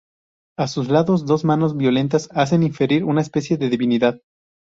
A sus lados dos manos violetas hacen inferir una especie de divinidad.